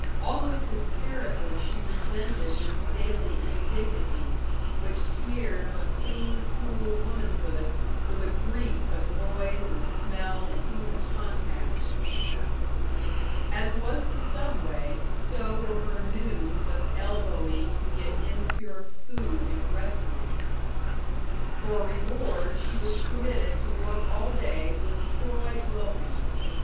Almost hysterically she resented this daily indignity, which smeared her clean, cool womanhood with a grease of noise and smell and human contact. As was the Subway, so were her noons of elbowing to get impure food in restaurants. For reward she was permitted to work all day with Troy Wilkins.